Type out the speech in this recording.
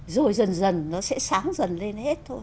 rồi dần dần nó sẽ sáng dần lên hết thôi